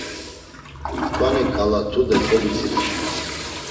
Tkvani k̆ala tude kobidziret.